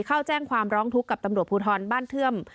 เข้าแจ้งความร้องทุกข์กับตำรวจภูทรบ้านเทื่อม